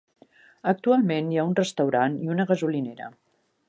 Actualment hi ha un restaurant i una gasolinera.